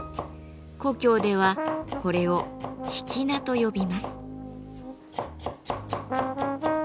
故郷ではこれをひきなと呼びます。